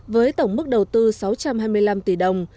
với tổng mức đầu tư sáu trăm hai mươi năm tỷ đồng